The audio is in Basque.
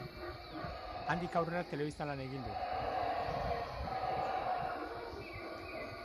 Handik aurrera telebistan lan egin du.